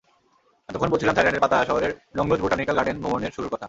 এতক্ষণ বলছিলাম থাইল্যান্ডের পাতায়া শহরের নোংনুচ বোটানিক্যাল গার্ডেন ভ্রমণের শুরুর কথা।